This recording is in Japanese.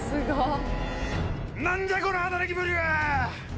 何じゃこの働きぶりは！